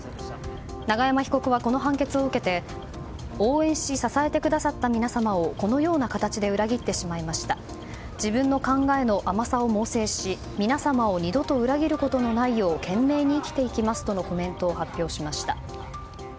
永山被告はこの判決を受けて応援し、支えてくださった皆様をこのような形で裏切ってしまいました自分の考えの甘さを猛省し皆様を二度と裏切ることのないよう懸命に生きていきますとのコメントを発表しました。